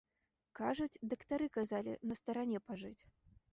Кажуць, дактары казалі на старане пажыць.